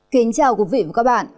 kính chào quý vị và các bạn